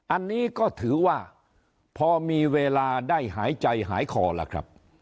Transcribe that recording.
อันนี้ก็ถือว่าพอมีเวลาได้หายใจหายคอแล้วครับ